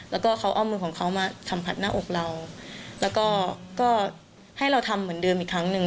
แล้วก็เขาอ้อมมือของเขามาสัมผัสหน้าอกเราแล้วก็ให้เราทำเหมือนเดิมอีกครั้งหนึ่ง